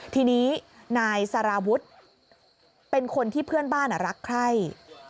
ทีนี้นายสารวุฒิเป็นคนที่เพื่อนบ้านรักใคร